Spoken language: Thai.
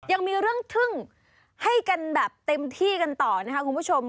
ยังมีเรื่องทึ่งให้กันแบบเต็มที่กันต่อนะคะคุณผู้ชม